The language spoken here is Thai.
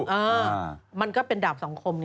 อ่ามันก็เป็นดาบสังคมนะ